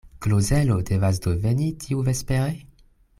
Klozelo devas do veni tiuvespere?